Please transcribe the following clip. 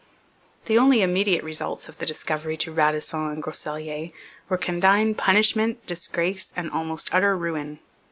The only immediate results of the discovery to Radisson and Groseilliers were condign punishment, disgrace, and almost utter ruin.